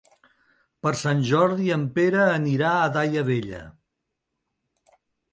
Per Sant Jordi en Pere anirà a Daia Vella.